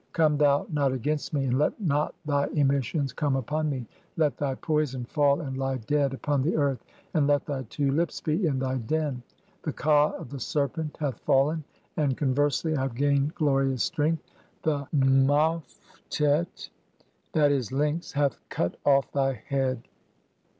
Come thou not against me, "and let not thy emissions (6) come upon me ; let thy poison "fall and lie dead upon the earth, and let thy two lips be in "[thy] den. (7) The Ka of the Serpent hath fallen, and, con versely, I have gained glorious strength. The Maftet (/'. e., Lynx) "hath cut off thy head."